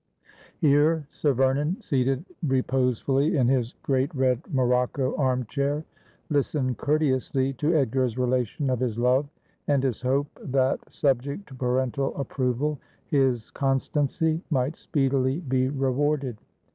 Here, Sir Vernon, seated reposefully in his great red morocco armchair, listened courteously to Edgar's relation of his love, and his hope that, subject to parental approval, his constancy might speedily be rewarded.